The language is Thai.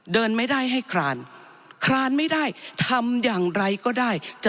เดินไม่ได้ให้คลานคลานไม่ได้ทำอย่างไรก็ได้จะ